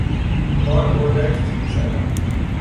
به بال اردک تیر زدن